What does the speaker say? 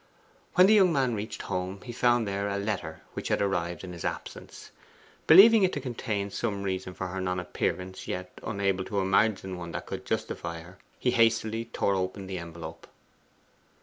When the young man reached home he found there a letter which had arrived in his absence. Believing it to contain some reason for her non appearance, yet unable to imagine one that could justify her, he hastily tore open the envelope.